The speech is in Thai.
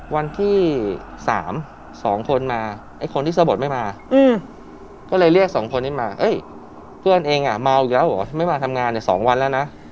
วันที่๓๒คนมาไอ้คนที่สะบดไม่มาก็เลยเรียกสองคนนี้มาเพื่อนเองอ่ะเมาอีกแล้วเหรอไม่มาทำงานเนี่ย๒วันแล้วนะ